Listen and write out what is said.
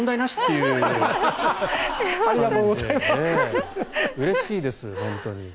うれしいです、本当に。